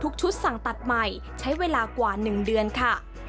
ชุดสั่งตัดใหม่ใช้เวลากว่า๑เดือนค่ะ